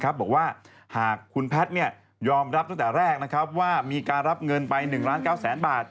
บอกว่าหากคุณแพทยอมรับตั้งแต่แรกว่ามีการรับเงินไป๑ล้าน๙แสนบาท